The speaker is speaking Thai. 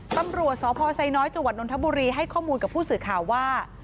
ตำรวจสพไซน้อยจังหวัดนทบุรีให้ข้อมูลกับผู้สื่อข่าวว่า